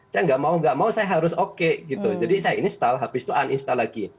karena saya harus oke gitu jadi saya install habis itu uninstall lagi